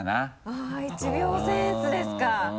あっ「１秒センス」ですか。